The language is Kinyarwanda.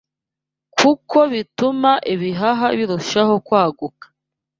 kuko bituma ibihaha birushaho kwaguka